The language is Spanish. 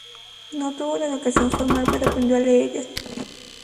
No tuvo una educación formal, pero aprendió a leer y a escribir.